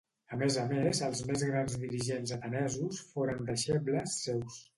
A més a més els més grans dirigents atenesos foren deixebles seus.